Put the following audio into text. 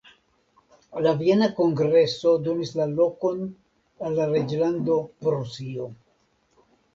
La Viena kongreso donis la lokon al la reĝlando Prusio.